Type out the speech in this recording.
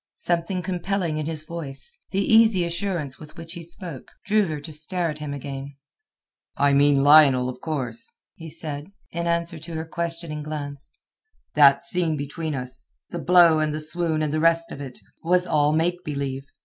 Something compelling in his voice, the easy assurance with which he spoke, drew her to stare at him again. "I mean Lionel, of course," he said, in answer to her questioning glance. "That scene between us—the blow and the swoon and the rest of it—was all make believe.